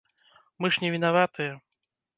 Мы ж не вінаватыя.